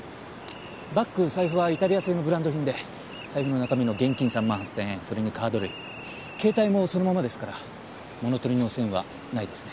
バッグ財布はイタリア製のブランド品で財布の中身の現金３万８０００円それにカード類携帯もそのままですから物盗りの線はないですね。